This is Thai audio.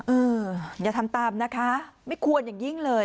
เอออย่าทำตามนะคะไม่ควรอย่างยิ่งเลย